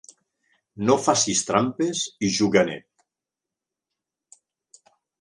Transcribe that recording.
No facis trampes i juga net.